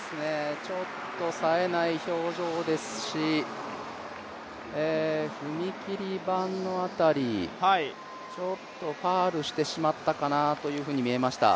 ちょっとさえない表情ですし、踏切板の辺り、ちょっとファウルしてしまったかなというふうに見えました。